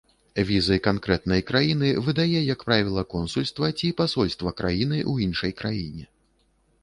Візы канкрэтнай краіны выдае як правіла консульства ці пасольства краіны ў іншай краіне.